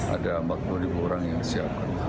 ada empat puluh ribu orang yang siap